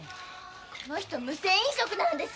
この人無銭飲食なんです。